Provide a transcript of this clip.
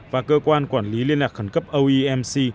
và cơ quan quản lý liên lạc khẩn cấp oemc